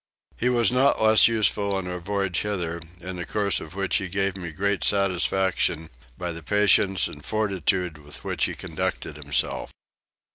He was not less useful in our voyage hither, in the course of which he gave me great satisfaction, by the patience and fortitude with which he conducted himself.